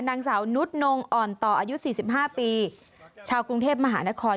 นางสาวนุษนงอ่อนต่ออายุ๔๕ปีชาวกรุงเทพมหานคร